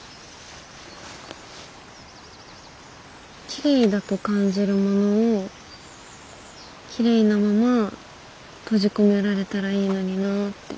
きれいだと感じるものをきれいなまま閉じ込められたらいいのになぁって。